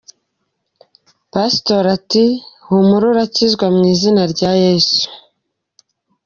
Pasitoro ati “humura urakizwa mu izina rya Yesu”.